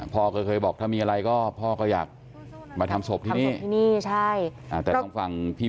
พ่อเคยบอกถ้ามีอะไรก็พ่อก็จะทำศพที่นี่